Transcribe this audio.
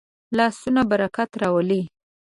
لاسونه برکت راولي